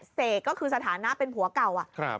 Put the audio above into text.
เสกก็คือสถานะเป็นผัวเก่าอะ